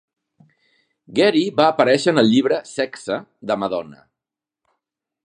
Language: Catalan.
Geary va aparèixer en el llibre "Sexe" de Madonna.